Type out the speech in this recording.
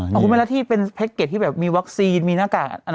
คุณแม่แล้วที่เป็นแพ็กเก็ตที่แบบมีวัคซีนมีหน้ากาก